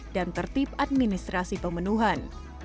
dan tertib administrasi pemenuhan